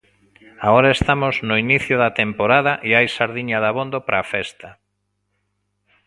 Agora estamos no inicio da temporada e hai sardiña dabondo para a festa.